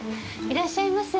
いらっしゃいませ。